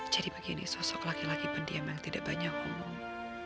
jadi begini sosok laki laki pendiam yang tidak banyak ngomong